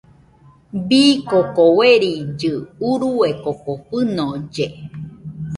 Bii koko uerilli urue koko fɨnolle.